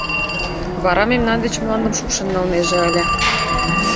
Вара мемнан деч мландым шупшын налнеже ыле.